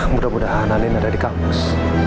mudah mudahan alin ada di kampus